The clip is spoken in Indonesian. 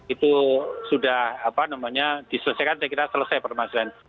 itu sudah apa namanya diselesaikan saya kira selesai pertemuan selain itu